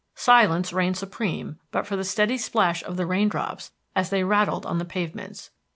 Silence reigned supreme but for the steady plash of the raindrops as they rattled on the pavements.